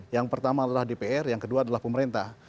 yang pertama adalah dpr yang kedua adalah pemerintah